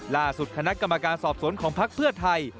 ล่าสุดคณะกรรมการสอบสวนของพักเพื่อไทย